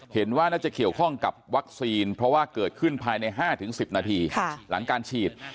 เห็นว่าน่าจะเกี่ยวข้องกับวัคซีนเพราะว่าเกิดขึ้นภายใน๕๑๐นาทีหลังการฉีด